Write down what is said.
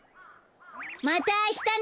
またあしたね！